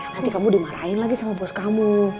nanti kamu dimarahin lagi sama bos kamu